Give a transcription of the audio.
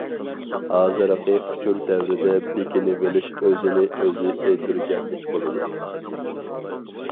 ھازىرقى ئۇچۇر دەۋرىدە بېكىنىۋېلىش ئۆزىنى-ئۆزى ئۆلتۈرگەنلىك بولىدۇ.